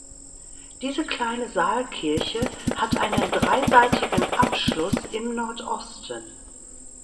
Diese kleine Saalkirche hat einen dreiseitigen Abschluss im Nordosten.